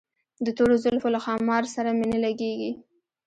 د تورو زلفو له ښامار سره مي نه لګیږي